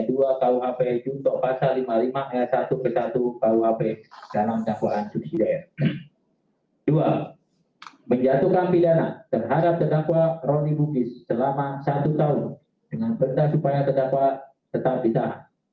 dua menjatuhkan pilihanan terhadap terdakwa roni bugis selama satu tahun dengan benda supaya terdakwa tetap ditahan